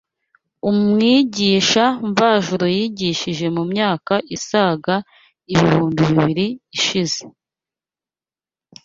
Umwigisha mvajuru yigishije mu myaka isaga ibihumbi bibiri ishize